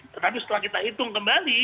tetapi setelah kita hitung kembali